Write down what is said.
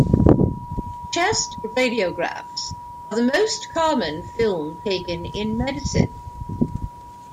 Chest radiographs are the most common film taken in medicine.